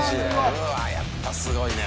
うわぁ、やっぱすごいね。